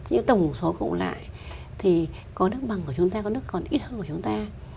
những tổng số cộng lại thì có nước bằng của chúng ta có nước còn ít hơn của chúng ta